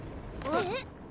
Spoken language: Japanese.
えっ！？